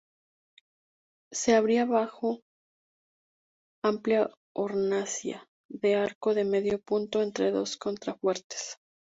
Se abría bajo amplia hornacina de arco de medio punto entre dos contrafuertes.